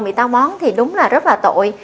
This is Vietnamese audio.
bị táo bón thì đúng là rất là tội